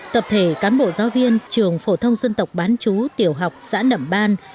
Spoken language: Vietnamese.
tập thể cán bộ giáo viên trường phổ thông dân tộc bán chú tiểu học xã nậm ban